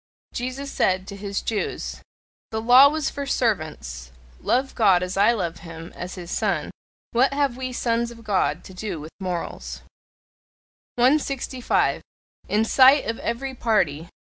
Jesus said to his Jews: "The law was for servants; love God as I love him, as his Son! What have we Sons of God to do with morals!" 165. IN SIGHT OF EVERY PARTY.